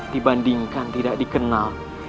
dibandingkan tidak dikenal